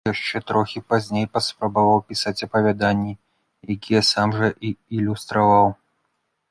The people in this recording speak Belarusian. Яшчэ трохі пазней паспрабаваў пісаць апавяданні, якія сам жа і ілюстраваў.